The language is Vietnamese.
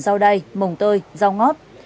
rau đầy mồng tơi rau ngót